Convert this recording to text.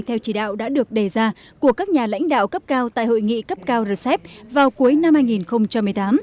theo chỉ đạo đã được đề ra của các nhà lãnh đạo cấp cao tại hội nghị cấp cao rcep vào cuối năm hai nghìn một mươi tám